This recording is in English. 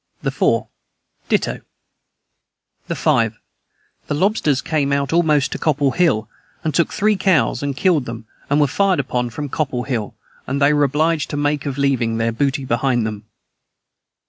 the 4. Ditto. the 5. The Lobsters came out almost to copple hill and took 3 cows and killed them and were fired upon from copple hill and they were obligd to mak of Leaving their Booty behind them.